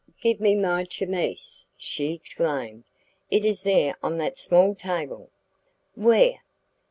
"Give me my chemise," she exclaimed; "it is there on that small table." "Where?"